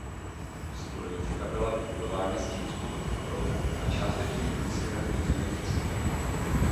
Zbrojovka byla vybudována s čínskou podporou a částečně umístěna v podzemních jeskyních.